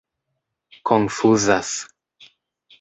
konfuzas